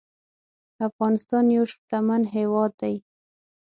افغانستان يو شتمن هيواد دي